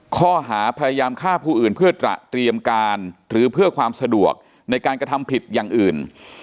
ข้อหาพยายามฆ่าผู้อื่นเพื่อตระเตรียมการหรือเพื่อความสะดวกในการกระทำผิดอย่างอื่น